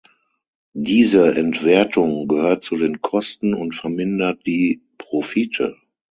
Diese Entwertung gehört zu den Kosten und vermindert die Profite.